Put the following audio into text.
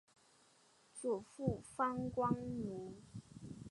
祖父方关奴。